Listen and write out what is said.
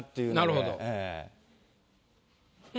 なるほど。